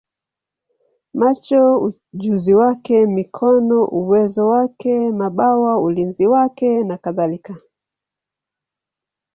macho ujuzi wake, mikono uwezo wake, mabawa ulinzi wake, nakadhalika.